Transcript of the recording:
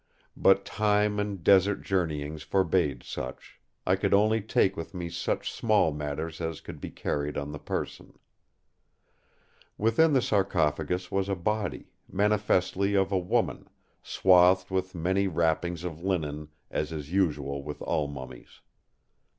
But time and desert journeyings forbade such; I could only take with me such small matters as could be carried on the person. "Within the sarcophagus was a body, manifestly of a woman, swathed with many wrappings of linen, as is usual with all mummies.